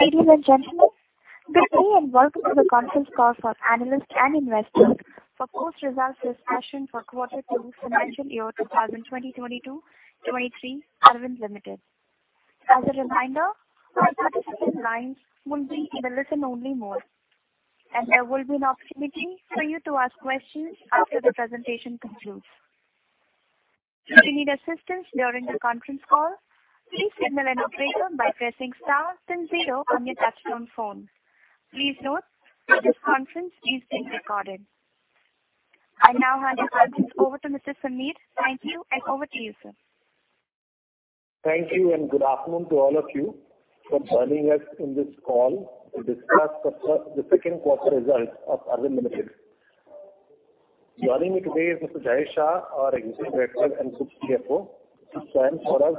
Ladies and gentlemen, good day, and welcome to the conference call for analyst and investor for quarter results discussion for quarter two, financial year 2022-23, Arvind Limited. As a reminder, all participants lines will be in a listen-only mode, and there will be an opportunity for you to ask questions after the presentation concludes. If you need assistance during the conference call, please signal an operator by pressing star then zero on your touchtone phone. Please note this conference is being recorded. I now hand the conference over to Mr. Samir. Thank you, and over to you, sir. Thank you, and good afternoon to all of you for joining us in this call to discuss the first, the second quarter results of Arvind Limited. Joining me today is Mr. Jayesha Shah, our Executive Director and CFO, who stands for us,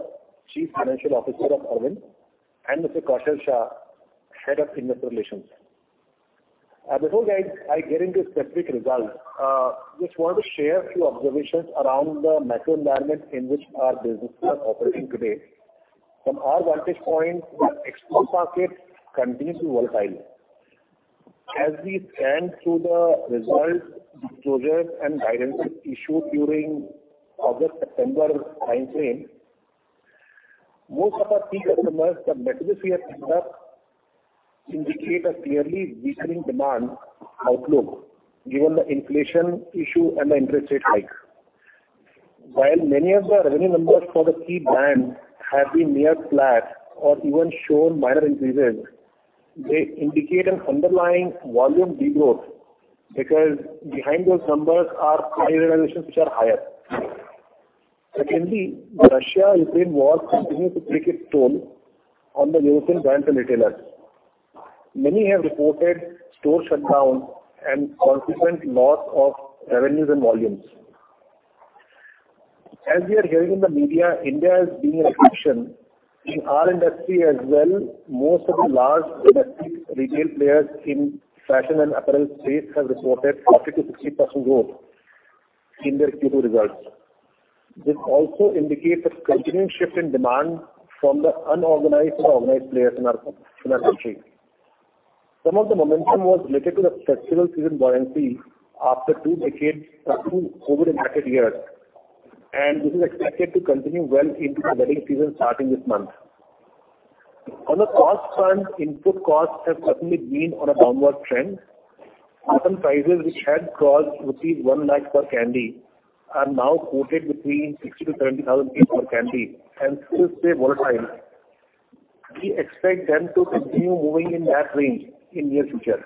Chief Financial Officer of Arvind, and Mr. Kaushal Shah, Head of Investor Relations. Before I get into specific results, just want to share a few observations around the macro environment in which our business is operating today. From our vantage point, the export market continues to be volatile. As we stand through the results, disclosures, and guidelines issued during August, September time frame, most of our key customers, the hemisphere network, indicate a clearly weakening demand outlook, given the inflation issue and the interest rate hike. While many of the revenue numbers for the key brands have been near flat or even shown minor increases, they indicate an underlying volume degrowth, because behind those numbers are high realizations, which are higher. Secondly, the Russia-Ukraine war continues to take its toll on the European brands and retailers. Many have reported store shutdowns and consequent loss of revenues and volumes. As we are hearing in the media, India is being an exception. In our industry as well, most of the large domestic retail players in fashion and apparel space have reported 40%-60% growth in their Q2 results. This also indicates a continuing shift in demand from the unorganized to organized players in our, in our country. Some of the momentum was related to the festival season buoyancy after two decades of COVID-impacted years, and this is expected to continue well into the wedding season, starting this month. On the cost front, input costs have certainly been on a downward trend. Cotton prices, which had crossed rupees 100,000 per candy, are now quoted between 60,000-70,000 per candy and still stay volatile. We expect them to continue moving in that range in near future.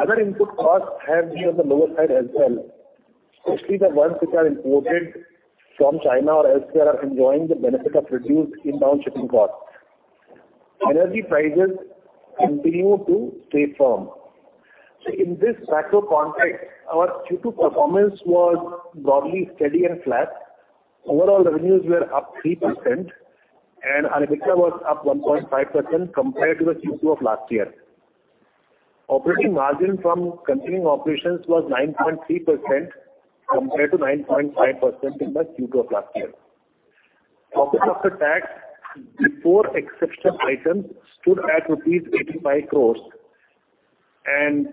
Other input costs have been on the lower side as well, especially the ones which are imported from China or elsewhere, are enjoying the benefit of reduced inbound shipping costs. Energy prices continue to stay firm. So in this macro context, our Q2 performance was broadly steady and flat. Overall, revenues were up 3%, and our EBITDA was up 1.5% compared to the Q2 of last year. Operating margin from continuing operations was 9.3%, compared to 9.5% in the Q2 of last year. Profit after tax, before exceptional items, stood at rupees 85 crore, and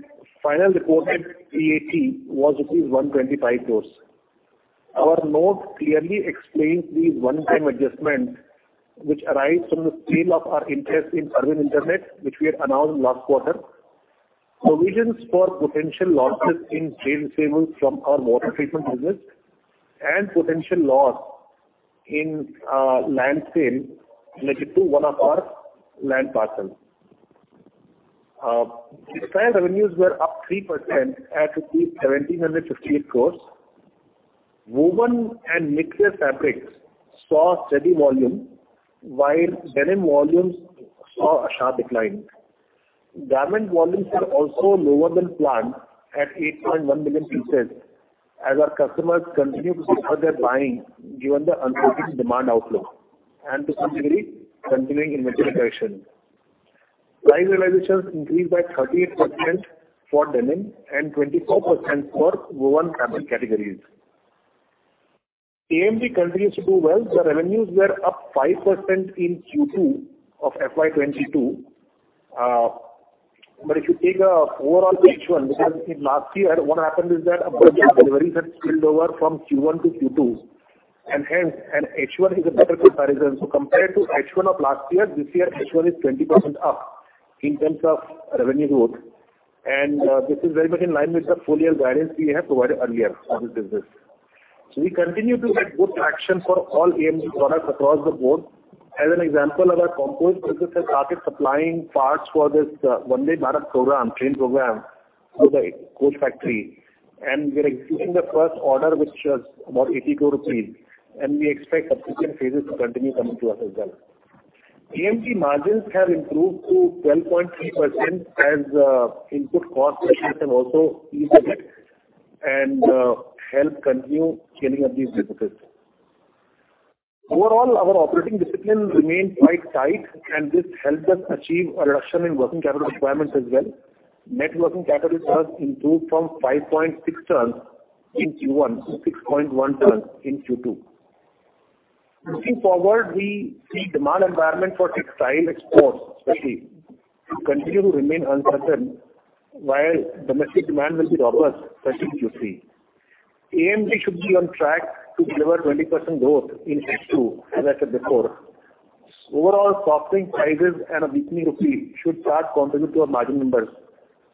final reported PAT was rupees 125 crore. Our notes clearly explain these one-time adjustments, which arise from the sale of our interest in Arvind Internet, which we had announced last quarter. Provisions for potential losses in trade receivables from our water treatment business and potential loss in land sale related to one of our land parcels. Retail revenues were up 3% at 1,758 crore. Woven and knitwear fabrics saw steady volume, while denim volumes saw a sharp decline. Garment volumes were also lower than planned at 8.1 million pieces, as our customers continue to defer their buying, given the uncertain demand outlook, and to some degree, continuing inventory correction. Price realizations increased by 38% for denim and 24% for woven fabric categories. AMD continues to do well. The revenues were up 5% in Q2 of FY 2022. But if you take an overall H1, because in last year, what happened is that a bunch of deliveries had spilled over from Q1 to Q2, and hence, and H1 is a better comparison. So compared to H1 of last year, this year, H1 is 20% up in terms of revenue growth, and, this is very much in line with the full year guidance we have provided earlier for this business. So we continue to get good traction for all AMD products across the board. As an example, our composite business has started supplying parts for this Vande Bharat program, train program, with Intergral Coach Factory, and we are executing the first order, which was about 80 crore rupees, and we expect subsequent phases to continue coming to us as well. AMD margins have improved to 12.3% as input cost pressures have also eased a bit and help continue cleaning up these deficits. Overall, our operating discipline remained quite tight, and this helped us achieve a reduction in working capital requirements as well. Net working capital has improved from 5.6 turns in Q1 to 6.1 turns in Q2. Looking forward, we see demand environment for textile exports, especially, continue to remain uncertain, while domestic demand will be robust, especially Q3. AMD should be on track to deliver 20% growth in H2, as I said before. Overall, softening prices and a weakening rupee should start contributing to our margin numbers,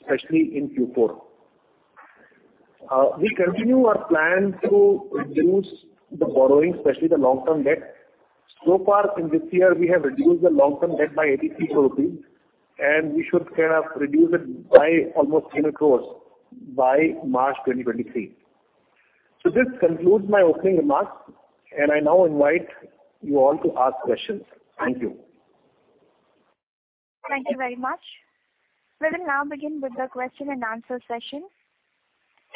especially in Q4. We continue our plan to reduce the borrowing, especially the long-term debt. So far in this year, we have reduced the long-term debt by 83 crore rupees, and we should kind of reduce it by almost 10 crore by March 2023. So this concludes my opening remarks, and I now invite you all to ask questions. Thank you. Thank you very much. We will now begin with the question and answer session.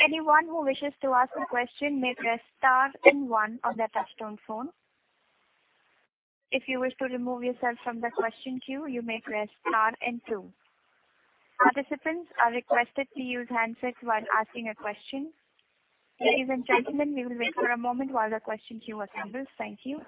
Anyone who wishes to ask a question may press star and one on their touchtone phone. If you wish to remove yourself from the question queue, you may press star and two. Participants are requested to use handsets while asking a question. Ladies and gentlemen, we will wait for a moment while the question queue assembles. Thank you.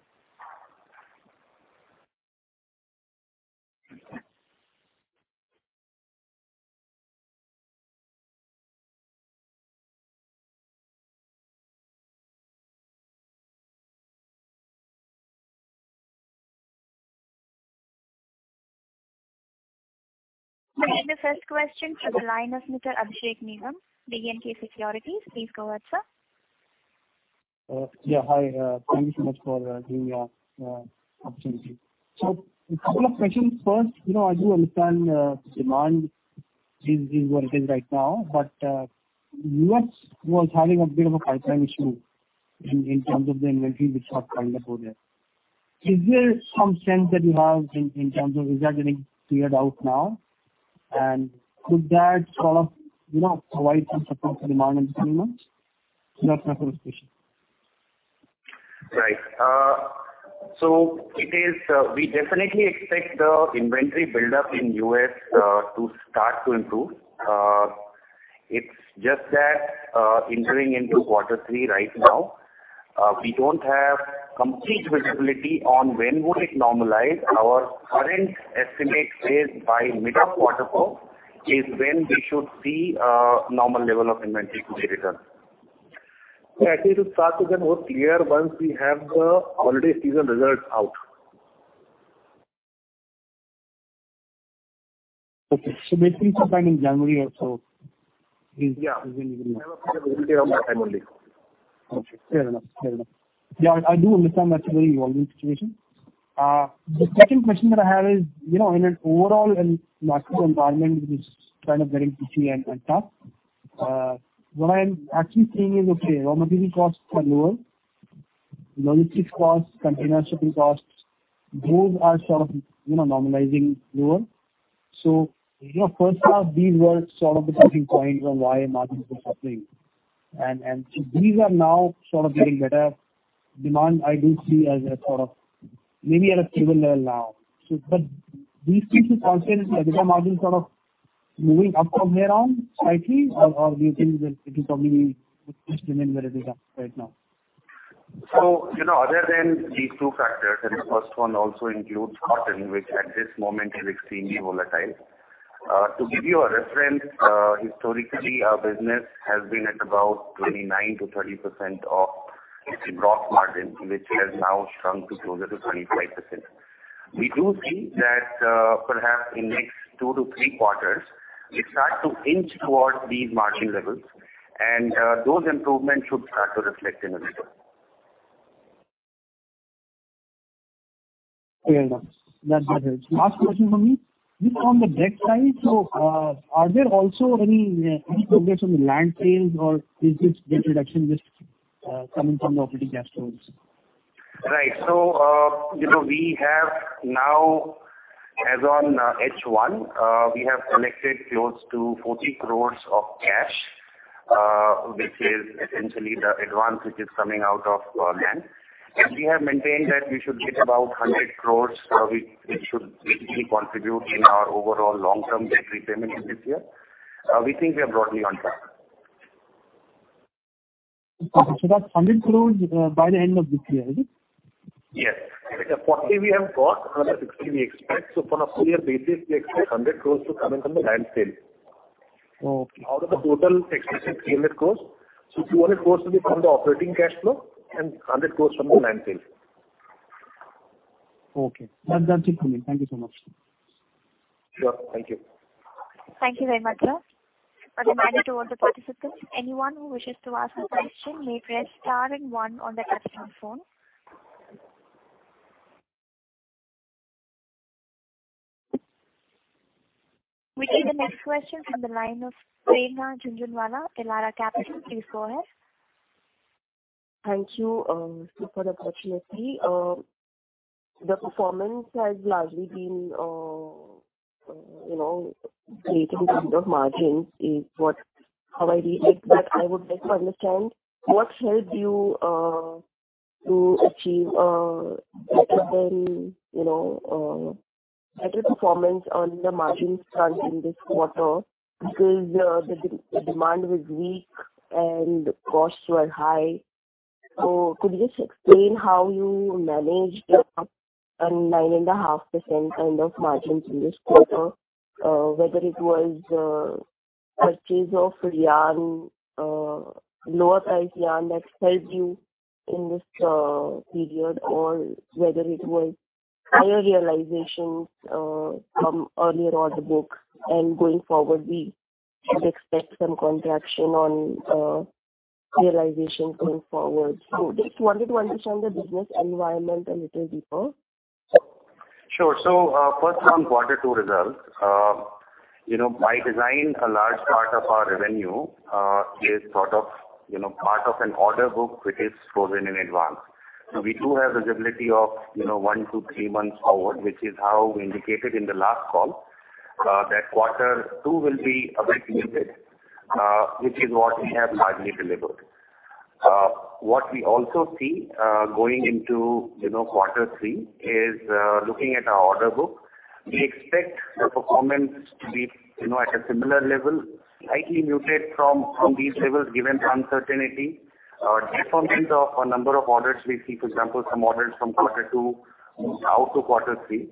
We have the first question from the line of Mr. Abhishek Mehra, B&K Securities. Please go ahead, sir. Yeah, hi, thank you so much for giving me opportunity. So a couple of questions first, you know, as you understand, demand is what it is right now, but, US was having a bit of a pipeline issue in terms of the inventory, which got piled up over there. Is there some sense that you have in terms of is that getting cleared out now? And could that sort of, you know, provide some support to demand in the coming months? That's my first question. Right. So it is, we definitely expect the inventory buildup in US to start to improve. It's just that, entering into quarter three right now, we don't have complete visibility on when would it normalize. Our current estimate is by mid of quarter four, is when we should see a normal level of inventory return. Actually, it will start to get more clear once we have the holiday season results out. Okay. So maybe sometime in January or so? Yeah. Okay, fair enough. Fair enough. Yeah, I do understand that's a very evolving situation. The second question that I have is, you know, in an overall and macro environment, which is kind of getting tricky and, and tough, what I'm actually seeing is, okay, raw material costs are lower, logistics costs, container shipping costs, those are sort of, you know, normalizing lower. So, you know, first half, these were sort of the talking points on why margins were suffering. And, and so these are now sort of getting better. Demand I do see as a sort of maybe at a stable level now. So but do you think the margin sort of moving up from here on slightly, or, or do you think that it will probably just remain where it is at right now? So, you know, other than these two factors, and the first one also includes cotton, which at this moment is extremely volatile. To give you a reference, historically, our business has been at about 29%-30% of gross margin, which has now shrunk to closer to 25%. We do think that, perhaps in next 2-3 quarters, it starts to inch towards these margin levels, and, those improvements should start to reflect in the results. Fair enough. That, that helps. Last question for me. Just on the debt side, so, are there also any, any progress on the land sales, or is this debt reduction just, coming from the operating cash flows? Right. So, you know, we have now, as on, H1, we have collected close to 40 crore of cash, which is essentially the advance which is coming out of, land. And we have maintained that we should get about 100 crore, which, which should basically contribute in our overall long-term debt repayment in this year. We think we are broadly on track. So that's 100 crore by the end of this year, is it? Yes. The 40 crore we have got, another 60 crore we expect. So on a full year basis, we expect 100 crore to coming from the land sale. Okay. Out of the total expected 800 crore. So 200 crore will be from the operating cash flow and 100 crore from the land sale. Okay. That, that's it for me. Thank you so much. Sure. Thank you. Thank you very much, sir. A reminder to all the participants, anyone who wishes to ask a question may press star and one on their touchtone phone. We take the next question from the line of Prerna Jhunjhunwala, Elara Capital. Please go ahead. Thank you, for the opportunity. The performance has largely been, you know, great in terms of margins is what. How I read it, but I would like to understand, what helped you to achieve, better than, you know, better performance on the margins front in this quarter, because, the demand was weak and costs were high. So could you just explain how you managed, a 9.5% kind of margins in this quarter? Whether it was, purchase of yarn, lower price yarn that helped you in this, period, or whether it was higher realizations, from earlier order book, and going forward, we should expect some contraction on, realization going forward. So just wanted to understand the business environment a little deeper. Sure. So, first on quarter two results, you know, by design, a large part of our revenue is sort of, you know, part of an order book which is frozen in advance. So we do have visibility of, you know, 1-3 months forward, which is how we indicated in the last call, that quarter two will be a bit muted, which is what we have largely delivered. What we also see, going into, you know, quarter three, is, looking at our order book, we expect the performance to be, you know, at a similar level, slightly muted from these levels, given the uncertainty, deferment of a number of orders we see, for example, some orders from quarter two out to quarter three.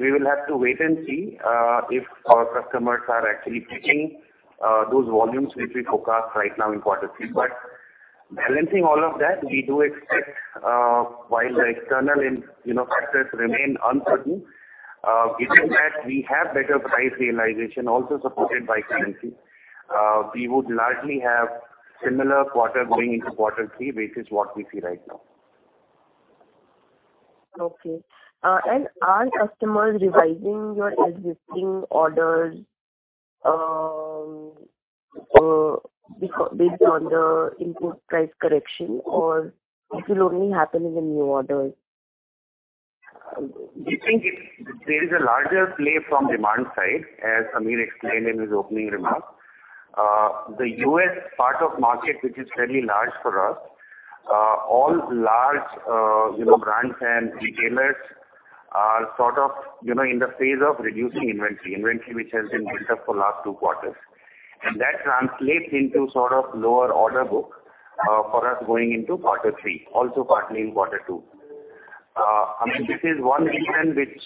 We will have to wait and see if our customers are actually taking those volumes which we forecast right now in quarter three. But balancing all of that, we do expect, while the external in, you know, factors remain uncertain, given that we have better price realization also supported by currency, we would largely have similar quarter going into quarter three, which is what we see right now. Okay. Are customers revising your existing orders, based on the input price correction, or this will only happen in the new orders? We think there is a larger play from demand side, as Amir explained in his opening remarks. The US part of market, which is fairly large for us, all large, you know, brands and retailers are sort of, you know, in the phase of reducing inventory, inventory which has been built up for last two quarters. And that translates into sort of lower order book, for us going into quarter three, also partly in quarter two. I mean, this is one reason which,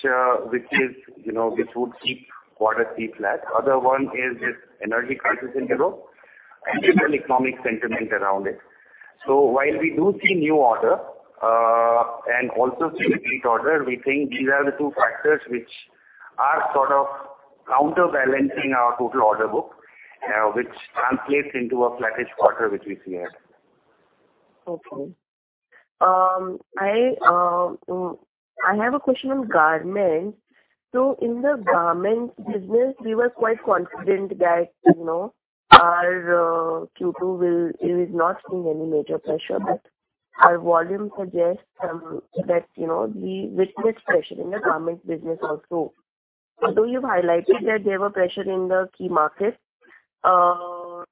which is, you know, which would keep quarter three flat. Other one is this energy crisis in Europe and the general economic sentiment around it. So while we do see new order, and also see repeat order, we think these are the two factors which are sort of counterbalancing our total order book, which translates into a flattish quarter, which we see ahead. Okay. I have a question on garments. So in the garments business, we were quite confident that, you know, our Q2 will is not seeing any major pressure, but our volume suggests, that, you know, we witness pressure in the garments business also. Although you've highlighted that there were pressure in the key markets,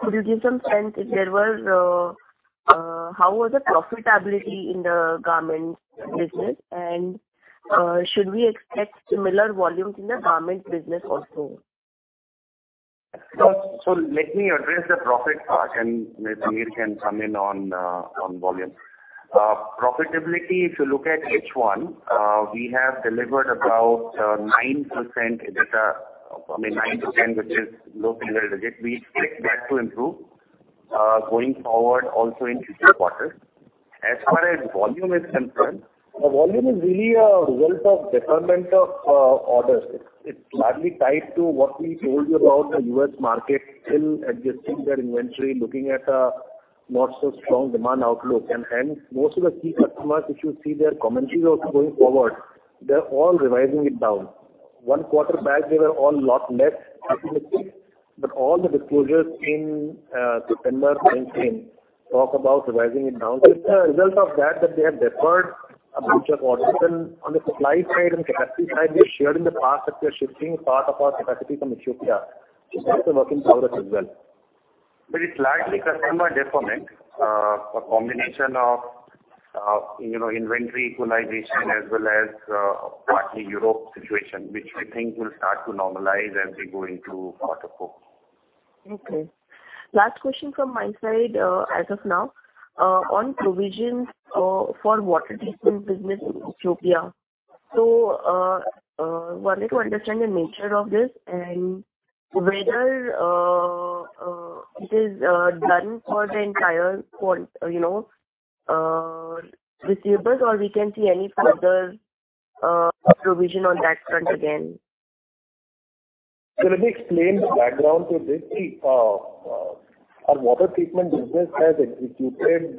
could you give some sense if there was, how was the profitability in the garments business? And, should we expect similar volumes in the garments business also? So, so let me address the profit part, and maybe Amir can come in on, on volume. Profitability, if you look at H1, we have delivered about, 9% EBITDA, I mean, 9-10, which is low single digit. We expect that to improve, going forward also in future quarters. As far as volume is concerned, the volume is really a result of deferment of, orders. It's, it's largely tied to what we told you about the US market still adjusting their inventory, looking at a not so strong demand outlook. And, and most of the key customers, if you see their commentaries also going forward, they're all revising it down. One quarter back, they were all lot less optimistic, but all the disclosures in, September timeframe talk about revising it down. It's a result of that, that they have deferred a bunch of orders. On the supply side and capacity side, we've shared in the past that we are shifting part of our capacity from Ethiopia, which is also working for us as well. But it's largely customer deferment, a combination of, you know, inventory equalization as well as, partly Europe situation, which we think will start to normalize as we go into quarter four. Okay. Last question from my side, as of now, on provisions for water treatment business in Ethiopia. So, wanted to understand the nature of this and whether it is done for the entire quarter, you know, receivables, or we can see any further provision on that front again? So let me explain the background to this. See, our water treatment business has executed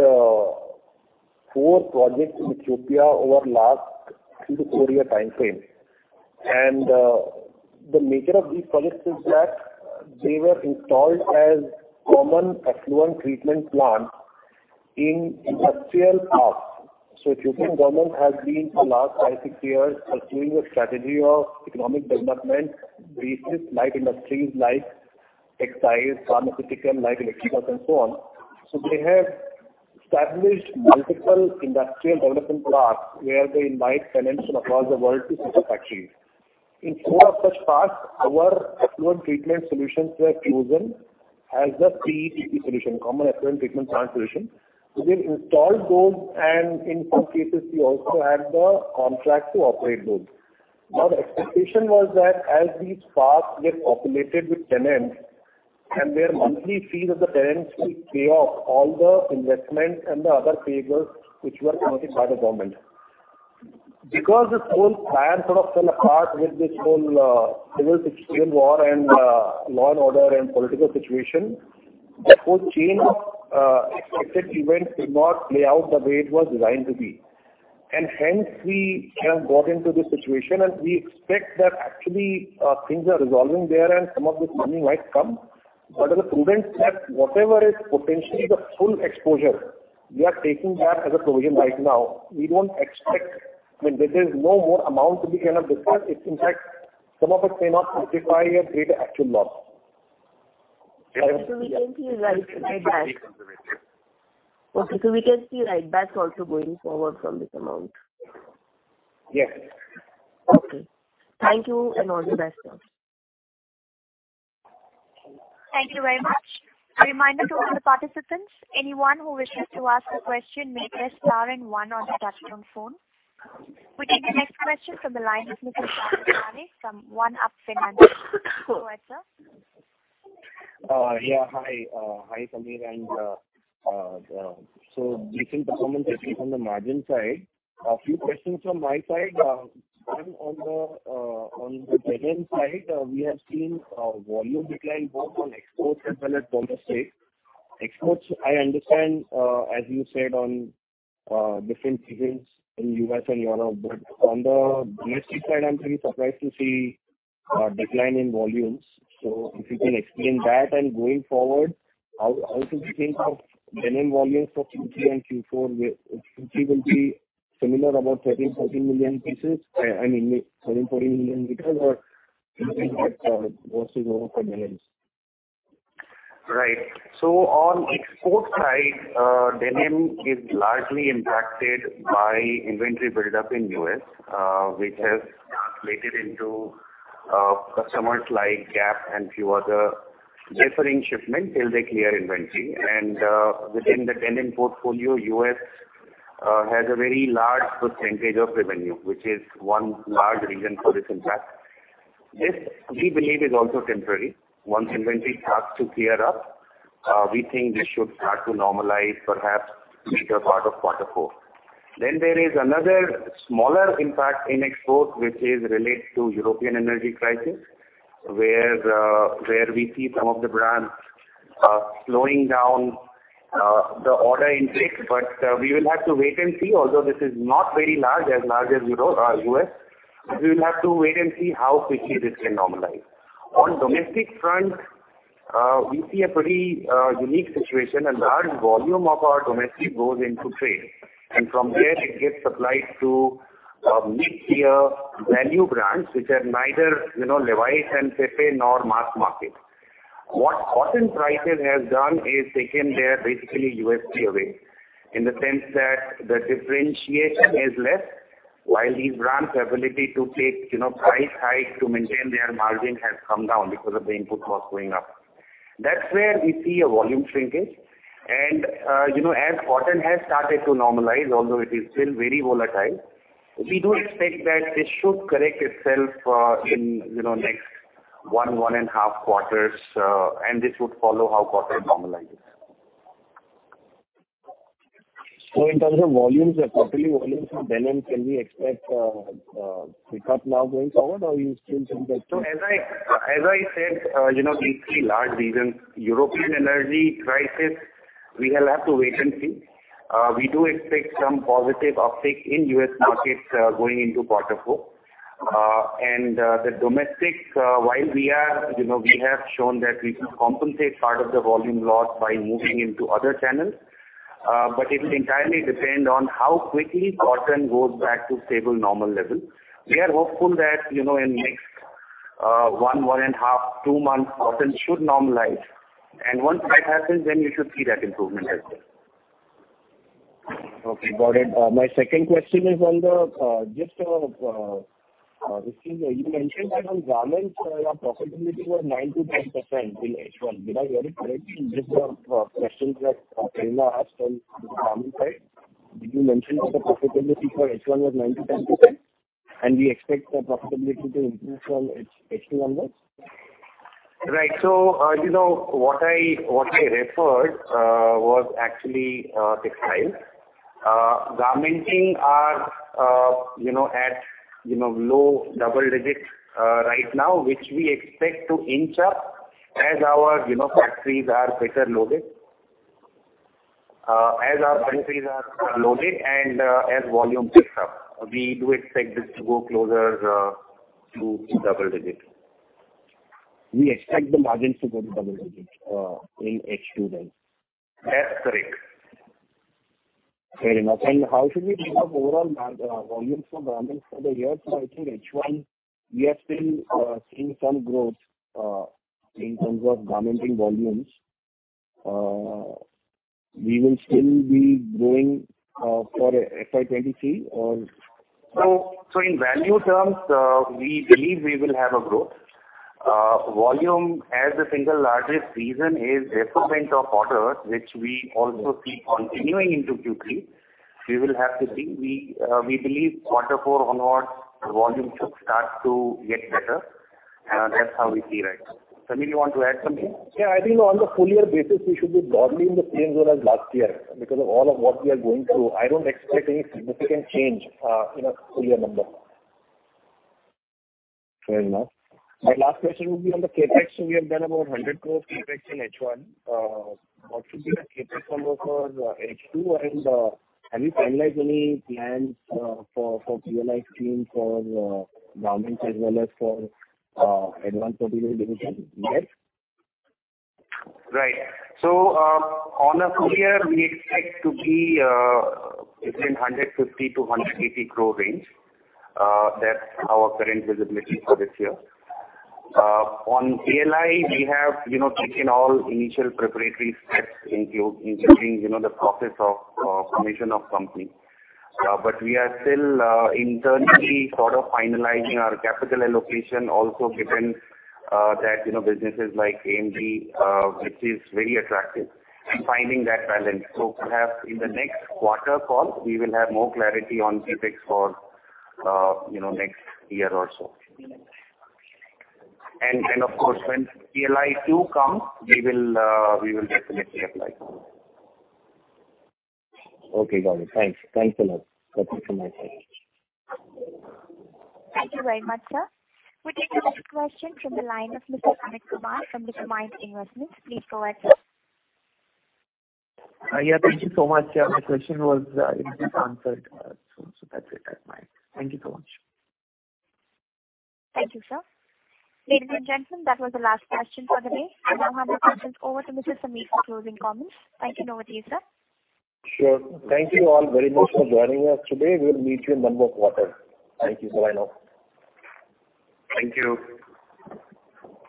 four projects in Ethiopia over last three- to four-year timeframe. The nature of these projects is that they were installed as Common Effluent Treatment Plant in industrial parks. Ethiopian government has been, for the last five, six years, pursuing a strategy of economic development, based light industries like textiles, pharmaceutical, light electricals, and so on. They have established multiple industrial development parks, where they invite tenants from across the world to set up factories. In four of such parks, our effluent treatment solutions were chosen as the CETP solution, Common Effluent Treatment Plant solution. We will install those, and in some cases, we also have the contract to operate those. Now, the expectation was that as these parks get populated with tenants and their monthly fees of the tenants will pay off all the investments and the other favors, which were offered by the government. Because this whole plan sort of fell apart with this whole civil war and law and order and political situation, that whole chain of expected events did not play out the way it was designed to be. And hence, we have got into this situation, and we expect that actually things are resolving there and some of this money might come. But as a prudent step, whatever is potentially the full exposure, we are taking that as a provision right now. We don't expect. I mean, there is no more amount to be kind of discussed. It's in fact, some of it may not justify a greater actual loss. So we can see right back? Okay, so we can see right back also going forward from this amount. Yes. Okay. Thank you, and all the best, sir. Thank you very much. A reminder to all the participants, anyone who wishes to ask a question may press star and one on their touchtone phone. We take the next question from the line of Mr. Tarun Pahwa from OneUp Financial. Go ahead, sir. Yeah, hi, Samir, and so decent performance at least on the margin side. A few questions from my side. One, on the denim side, we have seen volume decline both on exports as well as domestic. Exports, I understand, as you said, on different seasons in US and Europe, but on the domestic side, I'm pretty surprised to see a decline in volumes. So if you can explain that, and going forward, how to think of denim volumes for Q3 and Q4, where Q3 will be similar, about 13-14 million pieces? I mean, 13-14 million meters or do you think that worse is over for denim? Right. So on export side, denim is largely impacted by inventory build-up in US, which has translated into customers like Gap and few other deferring shipments till they clear inventory. And within the denim portfolio, US has a very large percentage of revenue, which is one large reason for this impact. This, we believe, is also temporary. Once inventory starts to clear up, we think this should start to normalize, perhaps, later part of quarter four. Then there is another smaller impact in exports, which is related to European energy crisis, where we see some of the brands slowing down the order intake, but we will have to wait and see, although this is not very large, as large as Europe or US, we will have to wait and see how quickly this can normalize. On domestic front, we see a pretty unique situation. A large volume of our domestic goes into trade, and from there it gets supplied to mid-tier value brands, which are neither, you know, Levi's and Pepe nor mass market. What cotton prices have done is taken their basically USP away, in the sense that the differentiation is less, while these brands' ability to take, you know, price hike to maintain their margin has come down because of the input cost going up. That's where we see a volume shrinkage. And, you know, as cotton has started to normalize, although it is still very volatile, we do expect that this should correct itself in, you know, next one, one and a half quarters, and this would follow how cotton normalizes. So in terms of volumes, quarterly volumes in denim, can we expect a pick up now going forward, or you still think that- So as I said, you know, we see large reasons. European energy crisis, we will have to wait and see. We do expect some positive uptick in U.S markets, going into quarter four. And the domestic, while we are, you know, we have shown that we can compensate part of the volume loss by moving into other channels, but it will entirely depend on how quickly cotton goes back to stable, normal levels. We are hopeful that, you know, in next 1, 1.5, 2 months, cotton should normalize. And once that happens, then we should see that improvement as well. Okay, got it. My second question is on the, just, this is, you mentioned that on garments, your profitability was 9%-10% in H1. Did I hear it correctly? Just a question that Prerna asked on the garment side. Did you mention that the profitability for H1 was 9%-10%, and we expect the profitability to improve from its H2 onwards? Right. So, you know, what I, what I referred, was actually, textiles. Garmenting are, you know, at, you know, low double digits, right now, which we expect to inch up as our, you know, factories are better loaded. As our factories are loaded and, as volume picks up, we do expect this to go closer, to double digits. We expect the margins to go to double digits in H2 then? That's correct. Fair enough. And how should we think of overall volumes for garments for the year? So I think H1, we have been seeing some growth in terms of garmenting volumes. We will still be growing for FY 2023, or? So, so in value terms, we believe we will have a growth. Volume as the single largest reason is replacement of orders, which we also see continuing into Q3. We will have to see. We, we believe quarter four onwards, the volume should start to get better, and that's how we see right now. Samir, you want to add something? Yeah, I think on the full year basis, we should be broadly in the same zone as last year. Because of all of what we are going through, I don't expect any significant change in our full year number. Fair enough. My last question would be on the CapEx. So we have done about 100 crore CapEx in H1. What should be the CapEx number for H2, and have you finalized any plans for the PLI scheme for garments as well as for advanced materials division yet? Right. So, on a full year, we expect to be between 150 crore-180 crore range. That's our current visibility for this year. On DLI, we have, you know, taken all initial preparatory steps, including, you know, the process of formation of company. But we are still internally sort of finalizing our capital allocation also given that, you know, businesses like AMD, which is very attractive, and finding that balance. So perhaps in the next quarter call, we will have more clarity on CapEx for next year or so. And then, of course, when DLI 2 comes, we will we will definitely apply for it. Okay, got it. Thanks. Thanks a lot. That's it from my side. Thank you very much, sir. We take the next question from the line of Mr. Amit Kumar from the Mirae Investments. Please go ahead, sir. Yeah, thank you so much. Yeah, my question was, it was answered, so that's it at my end. Thank you so much. Thank you, sir. Ladies and gentlemen, that was the last question for the day. I now hand the conference over to Mr. Sunil for closing comments. Thank you, over to you, sir. Sure. Thank you all very much for joining us today. We'll meet you in one more quarter. Thank you. Bye now. Thank you.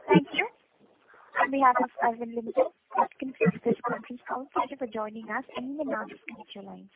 Thank you. On behalf of Arvind Limited, I conclude this conference call. Thank you for joining us, and you may now disconnect your lines.